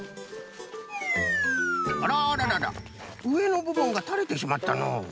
あらあらららうえのぶぶんがたれてしまったのう。